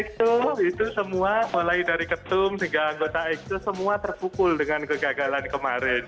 kita itu semua mulai dari ketum hingga anggota itu semua terpukul dengan kegagalan kemarin